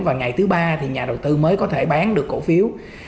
và ngày thứ ba thì nhà đầu tư mới có thể bán được cổ phiếu